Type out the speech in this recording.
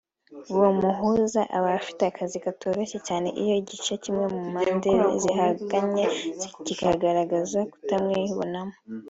uwo muhuza aba afite akazi katoroshye cyane iyo igice kimwe mu mpande zihanganye kigaragaza kutamwibonamo